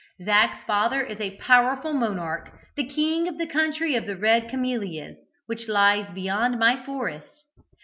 Zac's father is a powerful monarch, the king of the country of the Red Camellias, which lies beyond my forest.